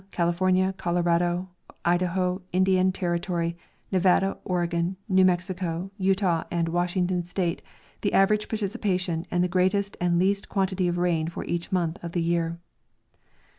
California, Colorado, Idaho, Indian Territor}^, Nevada, Oregon, New Mexico, Utah and Washington state the average precipitation and the greatest and least quan tity of rain for each month of the year.